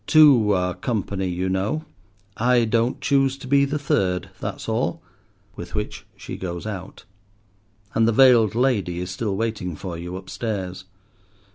Two are company, you know. I don't choose to be the third, that's all." With which she goes out. And the veiled lady is still waiting for you up stairs.